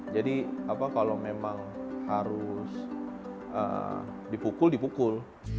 jadi kalau memang harus dipukul dipukul